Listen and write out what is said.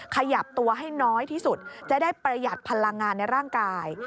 ขยับตัวให้น้อยที่สุดจะได้ประหยัดพลังงานในร่างกาย